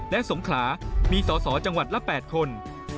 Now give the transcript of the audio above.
และสงขลามีสอสอจังหวัดละ๘คน